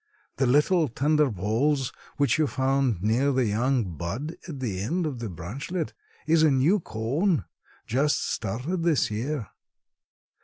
The little, tender balls which you found near the young bud at the end of the branchlet is a new cone just started this year.